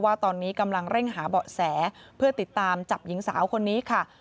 ว่าตอนนี้กำลังเร่งหาเบาะแสเพื่อติดตามจับหญิงสาวคนนี้ค่ะ